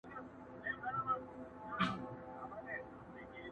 • څه چي وایم دروغ نه دي حقیقت دی.